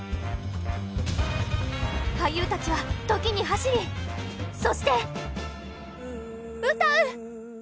俳優たちは時に走りそして歌う。